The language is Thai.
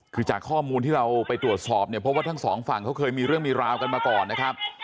คือจากข้อมูลที่เราไปตรวจสอบเนี่ยเพราะว่าทั้งสองฝั่งเขาเคยมีเรื่องมีราวกันมาก่อนนะครับ